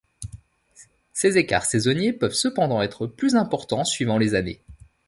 Ces écarts saisonniers peuvent cependant être plus importants suivant les années.